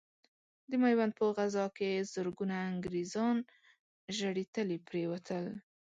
د ميوند په غزا کې زرګونه انګرېزان ژړې تلې پرې وتل.